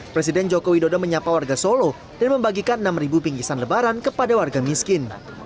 presiden joko widodo menyapa warga solo dan membagikan enam bingkisan lebaran kepada warga miskin